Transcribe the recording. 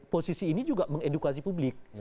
posisi ini juga mengedukasi publik